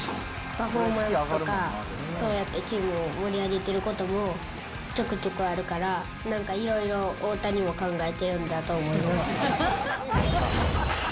パフォーマンスとか、そうやって気分を盛り上げてることもちょくちょくあるから、なんかいろいろ大谷も考えてるんだと思います。